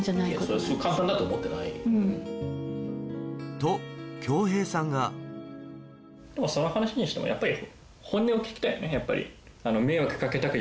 と協平さんがでもその話にしてもやっぱり。